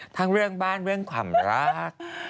ทั้งเรื่องบ้านเรื่องความรัก